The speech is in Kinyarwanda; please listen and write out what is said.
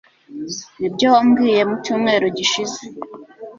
nibyo wambwiye mu cyumweru gishize